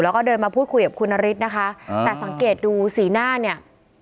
แล้วก็เดินมาพูดคุยกับคุณนฤทธิ์นะคะแต่สังเกตดูสีหน้าเนี่ย